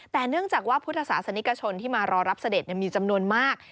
แต่เนื่องจากว่าพุทธศาสนิกชนที่มารอรับเสด็จมีจำนวนมาก